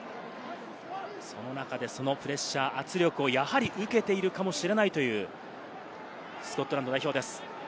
その中でそのプレッシャー、圧力をやはり受けているかもしれないというスコットランド代表です。